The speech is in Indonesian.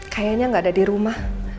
kayaknya nggak ada di rumah